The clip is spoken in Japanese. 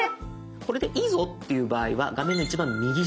これでいいぞっていう場合は画面の一番右下。